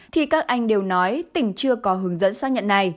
thì các anh đều nói tỉnh chưa có hướng dẫn xác nhận này